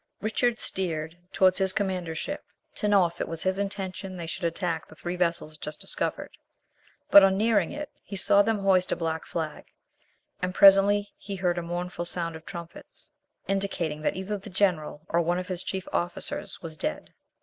Richard steered towards his commander's ship to know if it was his intention they should attack the three vessels just discovered; but on nearing it, he saw them hoist a black flag, and presently he heard a mournful sound of trumpets, indicating that either the general or one of his chief officers was dead.